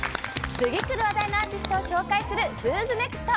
次くる話題のアーティストを紹介する「ＷＨＯ’ＳＮＥＸＴ！」。